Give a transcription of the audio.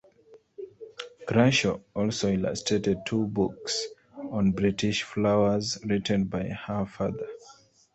Crawshaw also illustrated two books on British flowers written by her father.